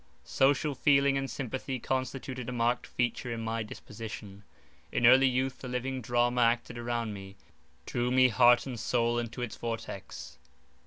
Social feeling and sympathy constituted a marked feature in my disposition. In early youth, the living drama acted around me, drew me heart and soul into its vortex.